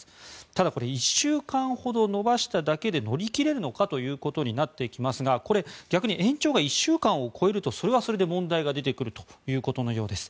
ただ、これは１週間ほど延ばしただけで乗り切れるのかということになってきますがこれ、逆に延長が１週間を超えるとそれはそれで問題が出てくるということです。